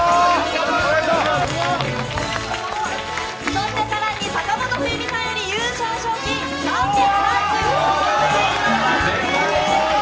そして更に坂本冬美さんより優勝賞金３３５万円の贈呈です。